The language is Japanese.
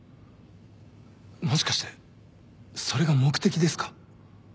もしかしてそれが目的ですか？